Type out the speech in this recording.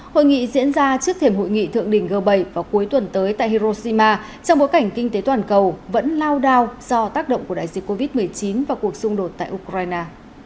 hội nghị diễn ra trước thềm hội nghị thượng đỉnh g bảy vào cuối tuần tới tại hiroshima trong bối cảnh kinh tế toàn cầu vẫn lao đao do tác động của đại dịch covid một mươi chín và cuộc xung đột tại ukraine